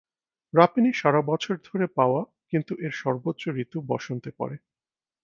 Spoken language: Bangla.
রাপিনি সারা বছর ধরে পাওয়া যায় কিন্তু এর সর্বোচ্চ ঋতু বসন্তে পড়ে।